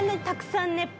たくさんね